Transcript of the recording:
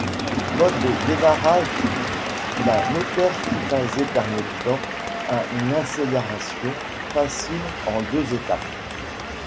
Mode de démarrage d'un moteur triphasé permettant un acceleration facile en deux étapes.